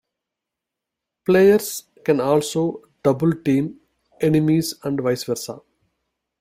Players can also double-team enemies and vice versa.